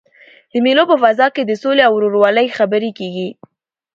د مېلو په فضا کښي د سولي او ورورولۍ خبري کېږي.